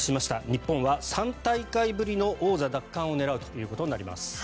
日本は３大会ぶりの王座奪還を狙うということになります。